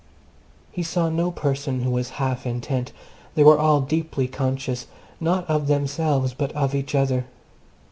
He saw no person who was self intent. They were all deeply conscious, not of themselves, but of each other.